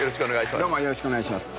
よろしくお願いします。